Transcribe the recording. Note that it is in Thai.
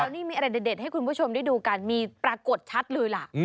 นี่มีอะไรเด็ดให้คุณผู้ชมได้ดูกันมีปรากฏชัดเลยล่ะ